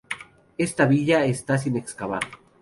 Esta villa está sin excavar.